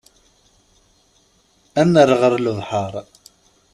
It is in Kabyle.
Ad nerr ɣer lebḥer.